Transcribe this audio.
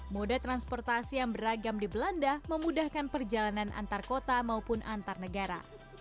moda transportasi yang beragam di belanda memudahkan perjalanan antar kota maupun antar negara